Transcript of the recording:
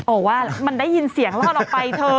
ว่ามันได้ยินเสียงรอดออกไปเถอะ